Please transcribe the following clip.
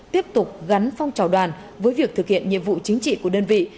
tiếp tục gắn phong trào đoàn với việc thực hiện nhiệm vụ chính trị của đơn vị